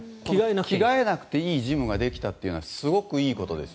着替えなくていいジムができたということはすごくいいことです。